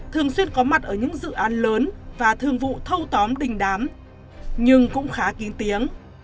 thường xuyên có mặt ở những dự án lớn và thường vụ thâu tóm đình đám nhưng cũng khá kín tiếng